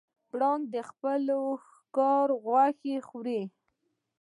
پړانګ د خپل ښکار غوښې خوري.